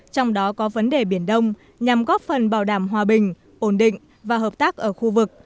trong đó có vấn đề biển đông nhằm góp phần bảo đảm hòa bình ổn định và hợp tác ở khu vực